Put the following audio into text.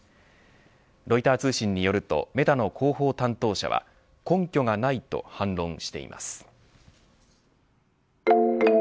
ロイター通信によるとメタの広報担当者は根拠がないと反論しています。